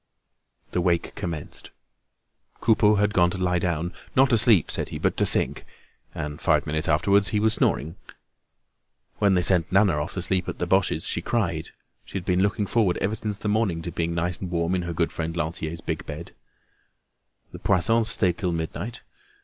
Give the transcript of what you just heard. The wake commenced. Coupeau had gone to lie down, not to sleep, said he, but to think; and five minutes afterwards he was snoring. When they sent Nana off to sleep at the Boches' she cried; she had been looking forward ever since the morning to being nice and warm in her good friend Lantier's big bed. The Poissons stayed till midnight.